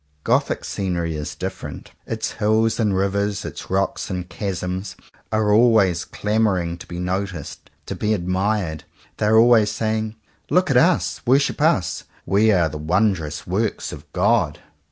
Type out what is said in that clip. Gothic scenery is different. Its hills and rivers, its rocks and chasms are always clamouring to be noticed, to be admired. They are always saying "Look at us. Worship us. We are the wondrous works of God."